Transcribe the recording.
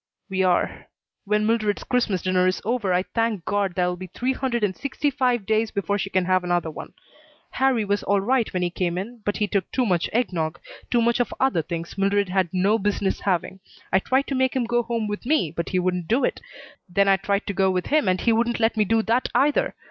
"We are. When Mildred's Christmas dinner is over I thank God there will be three hundred and sixty five days before she can have another one. Harrie was all right when he came in, but he took too much egg nog, too much of other things Mildred had no business having, I tried to make him go home with me, but he wouldn't do it. Then I tried to go with him and he wouldn't let me do that either.